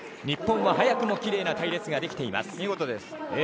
日本は早くもきれいな隊列ができています。